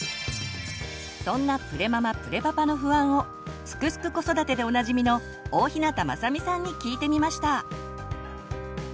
そんなプレママ・プレパパの不安を「すくすく子育て」でおなじみの大日向雅美さんに聞いてみました！